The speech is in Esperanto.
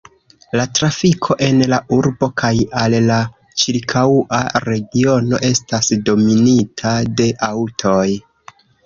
La trafiko en la urbo kaj al la ĉirkaŭa regiono estas dominita de aŭtoj.